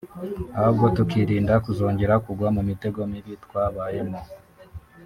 ahubwo tukirinda kuzongera kugwa mu mitego mibi twabayemo